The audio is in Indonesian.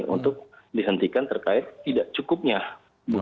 untuk dihentikan terkait tidak cukupnya bukti